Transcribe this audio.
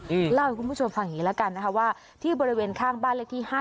เล่าให้คุณผู้ชมฟังอย่างงี้แล้วกันนะคะว่าที่บริเวณข้างบ้านเลขที่ห้า